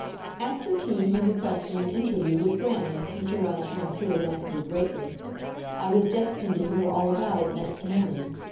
After tea he requested an interview with grannie, which aroused my curiosity greatly. I was destined to hear all about it next morning.